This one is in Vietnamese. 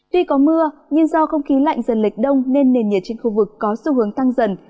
tuy có mưa nhưng do không khí lạnh dần lệch đông nên nền nhiệt trên khu vực có xu hướng tăng dần